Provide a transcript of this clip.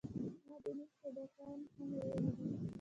ما ديني سبقان هم ويلي دي.